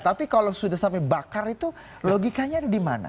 tapi kalau sudah sampai bakar itu logikanya ada di mana